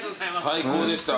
最高でした。